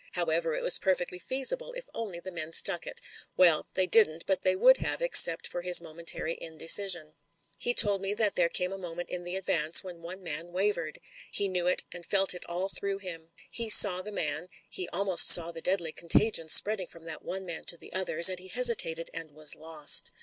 However, it was perfectly feasible if only the men stuck it Well, they didn't, but they would have except for his momentary indecision. He told me that there came a moment in the advance when one man wavered. He knew it and felt it all through him. He saw the man — ^he almost saw the deadly con tagion spreading from that one man to the others — and he hesitated and was lost.